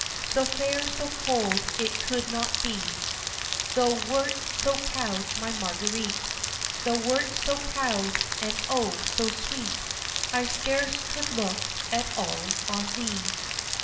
So fair, so cold it could not be! Thou wert so proud, my Marguerite, Thou wert so proud, and O, so sweet I scarce could look at all on thee.